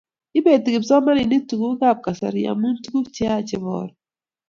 ipeti kipsomaninik tukuk ap kasari amu tukuk cheyach cheporu